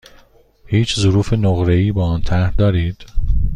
هیچ ظروف نقره ای با آن طرح دارید؟